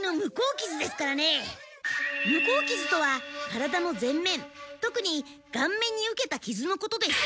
向こうきずとは体の前面とくに顔面に受けたきずのことです。